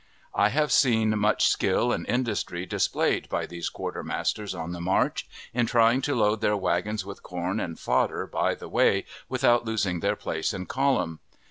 I have seen much skill and industry displayed by these quarter masters on the march, in trying to load their wagons with corn and fodder by the way without losing their place in column.